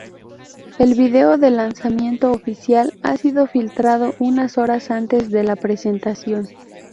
El video del lanzamiento oficial ha sido filtrado unas horas antes de la presentación.